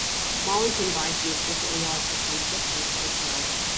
Mountain biking is also allowed for some sections of the trail.